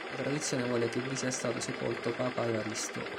La tradizione vuole che vi sia stato sepolto papa Evaristo.